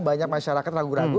banyak masyarakat ragu ragu